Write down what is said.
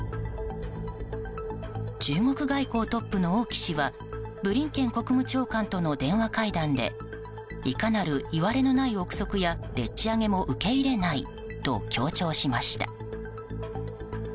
中国外交トップの王毅氏はブリンケン国務長官との電話会談でいかなる、いわれのない憶測やでっち上げも受け入れないと強調しました。